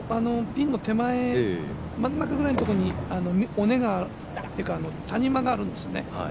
ピンの手前真ん中ぐらいのところに谷間があるんですね。